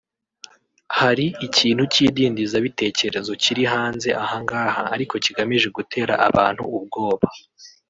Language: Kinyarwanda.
”Hari ikintu cy’idindiza bitekerezo kiri hanze ahangaha ariko kigamije gutera abantu ubwoba